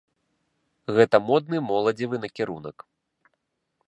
Гэта модны моладзевы накірунак.